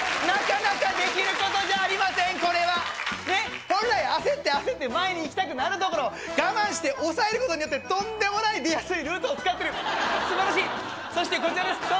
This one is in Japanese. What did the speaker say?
なかなかできることじゃありませんこれはねっ本来焦って焦って前に行きたくなるところを我慢して抑えることによってとんでもない出やすいルートを作ってる素晴らしいそしてこちらです